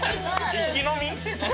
一気飲み？